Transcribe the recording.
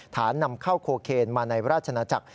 นำเข้าโคเคนมาในราชนาจักร